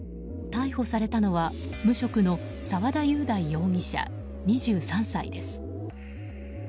逮捕されたのは無職の沢田雄大容疑者２３歳です。